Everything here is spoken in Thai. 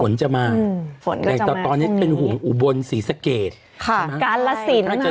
ฝนก็จะมากอย่างต่อเป็นหุงอุบนศรีสเกษนะครับใช่ไหมคะ